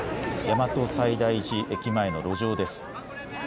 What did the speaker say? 大和西大寺駅前の路上です。